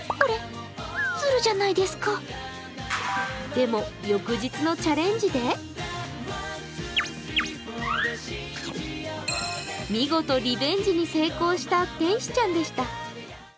でも、翌日のチャレンジで見事、リベンジに成功した天使ちゃんでした。